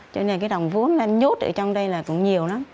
cho nên cái đồng vốn nó nhốt ở trong đây là cũng nhiều lắm